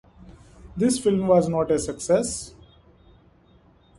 The film was not a success.